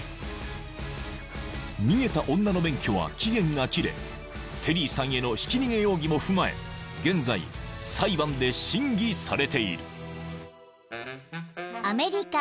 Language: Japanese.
［逃げた女の免許は期限が切れテリーさんへのひき逃げ容疑も踏まえ現在裁判で審議されている］